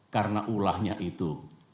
karena ulahnya itu